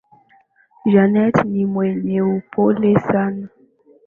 Janet ni mwenye upole sana.